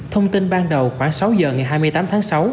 thông tin ban đầu khoảng sáu giờ ngày hai mươi tám tháng sáu